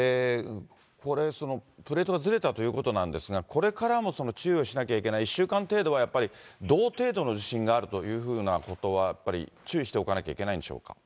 プレートがずれたということなんですが、これからも注意をしなきゃいけない、１週間程度はやっぱり、同程度の地震があるというふうなことは、やっぱり注意しておかなきゃいけないんでしょうか。